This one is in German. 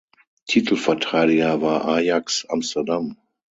Titelverteidiger war Ajax Amsterdam.